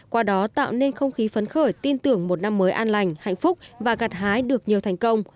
qua đó tạo nên không khí phấn khởi tin tưởng một năm mới an lành hạnh phúc và gạt hái được nhiều thành công